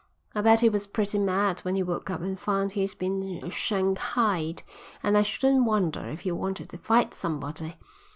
I bet he was pretty mad when he woke up and found he'd been shanghaied, and I shouldn't wonder but he wanted to fight somebody.